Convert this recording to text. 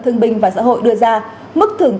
thương bình và xã hội đưa ra mức thưởng